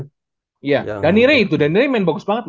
dan dhanire itu dhanire main bagus banget